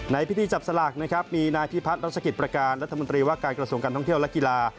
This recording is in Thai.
ในพิธีจับสลากนะครับมีนายพิพัฒน์รัชกิจประการรัฐมนตรีว่าการกระทรวงการท่องเที่ยวและกีฬา